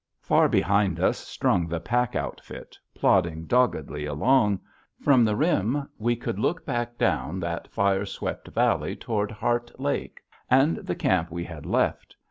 Far behind us strung the pack outfit, plodding doggedly along. From the rim we could look back down that fire swept valley toward Heart Lake and the camp we had left.